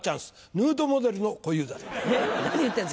ヌードモデルの小遊三です。